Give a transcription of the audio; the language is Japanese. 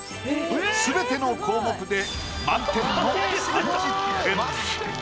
すべての項目で満点の３０点。